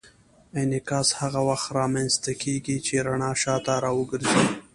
انعکاس هغه وخت رامنځته کېږي چې رڼا شاته راګرځي.